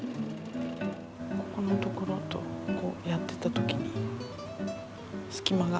ここの所とこうやってたときに隙間が。